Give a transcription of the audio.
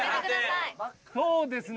そうですね